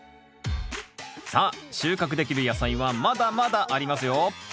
さあ収穫できる野菜はまだまだありますよ